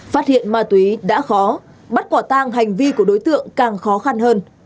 phát hiện ma túy đã khó bắt quả tang hành vi của đối tượng càng khó khăn hơn